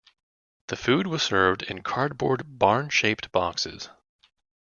The food was served in cardboard barn-shaped boxes.